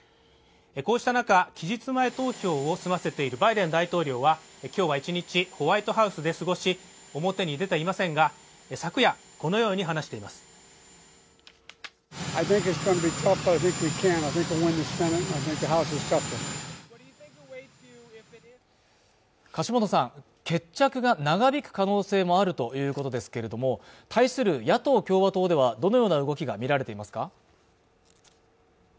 こうしたなか期日前投票をすませているバイデン大統領は今日は１日ホワイトハウスで過ごし表に出ていませんが昨夜このように話しています樫本さん決着が長引く可能性もあるということですけれども対する野党共和党ではどのような動きが見られていますか？